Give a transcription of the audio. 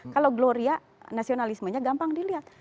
kalau gloria nasionalismenya gampang dilihat